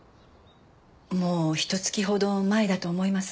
もうひと月ほど前だと思いますが。